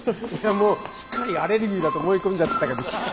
もうすっかりアレルギーだと思い込んじゃってたけどさ。